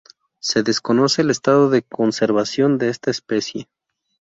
Se desconoce el estado de conservación de esta especie.